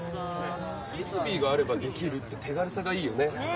フリスビーがあればできるって手軽さがいいよね。